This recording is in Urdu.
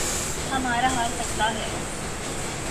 ہمارا حال پتلا ہے۔